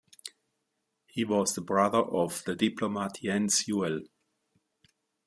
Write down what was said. He was the brother of the diplomat Jens Juel.